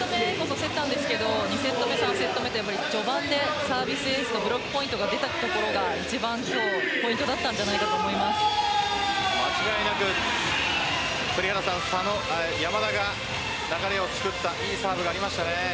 ２セット目、３セット目と序盤でサービスエースのブロックポイントが出たところが一番のポイントだったんじゃないかなと間違いなく山田が流れを作ったいいサーブがありましたね。